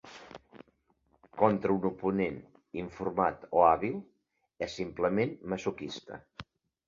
Contra un oponent informat o hàbil, és simplement masoquista.